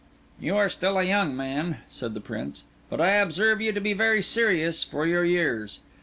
"You are still a young man," said the Prince; "but I observe you to be very serious for your years.